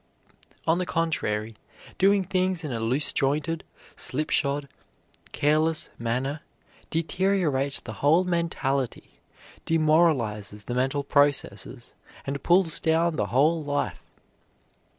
On the contrary, doing things in a loose jointed, slipshod, careless manner deteriorates the whole mentality, demoralizes the mental processes, and pulls down the whole life.